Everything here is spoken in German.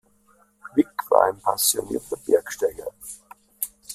Wick war ein passionierter Bergsteiger.